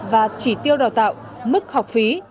và chỉ tiêu đào tạo mức học phí